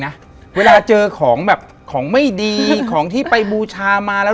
นะเวลาเจอของแบบของไม่ดีของที่ไปบูชามาแล้ว